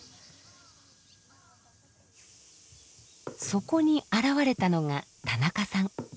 そこに現れたのが田中さん。